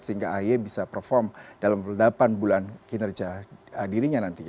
sehingga ahy bisa perform dalam delapan bulan kinerja dirinya nantinya